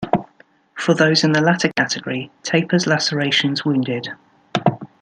For those in the latter category, "Taper's lacerations wounded".